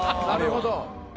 なるほど。